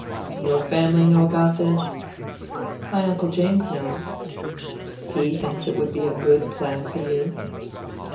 "Your family know about this?" "My Uncle James knows." "He thinks it would be a good plan for you?"